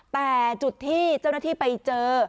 แต่จุดที่เจ้าหน้าที่ไปเจอ